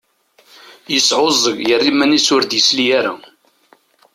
Yesεuẓẓeg, yerra iman-is ur d-yesli ara.